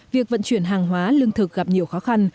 việc vận chuyển hàng hóa lương thực gặp nhiều khó khăn